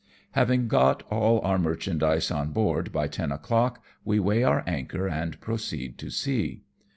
Having got all our merchandise on board by ten o'clock, we weigh our anchor and proceed to sea.